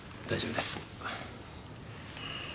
大丈夫です。